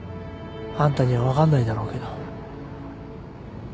あんたには分かんないだろうけど。